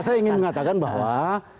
saya ingin mengatakan bahwa